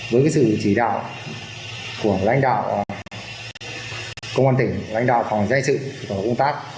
với sự chỉ đạo của lãnh đạo công an tỉnh lãnh đạo phòng giai sự công tác